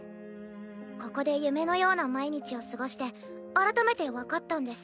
ここで夢のような毎日を過ごして改めて分かったんです。